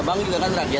abang juga kan rakyat ya